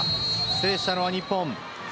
制したのは日本。